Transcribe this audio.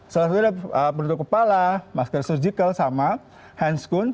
salah satu adalah penutup kepala masker surgical sama handscone